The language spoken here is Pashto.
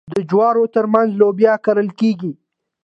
د جوارو ترمنځ لوبیا کرل کیږي.